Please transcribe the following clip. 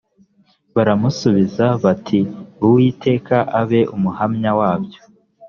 baramusubiza bati uwiteka abe umuhamya wabyo